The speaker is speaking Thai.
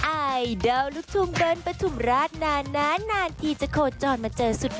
ไอดัลลุกทุมเบิ้ลปฐุมราชนานที่จะโคตรจ่อนมาเจอสุดหล่อ